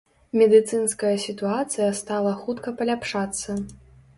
Медыцынская сітуацыя стала хутка паляпшацца.